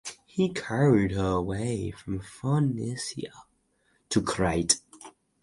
He carried her away from Phoenicia to Crete.